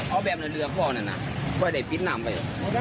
เอาแบบในเรือพ่อและน้ำไป